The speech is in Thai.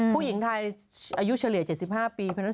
ผู้หญิงไทยอายุเฉลี่ย๗๕ปี